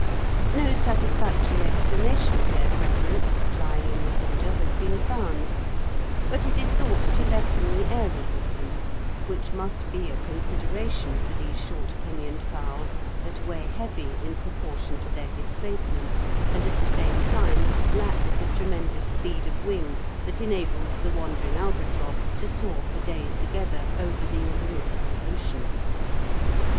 No satisfactory explanation of their preference for flying in this order has been found, but it is thought to lessen the air resistance, which must be a consideration for these short pinioned fowl that weigh heavy in proportion to their displacement and at the same time lack the tremendous spread of wing that enables the wandering albatross to soar for days together over the illimitable ocean.